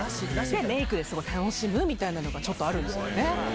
メークで楽しむみたいのがちょっとあるんですよ。